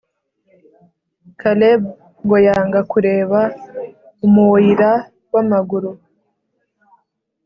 kaleb ngo yanga kureb umuoira wamaguru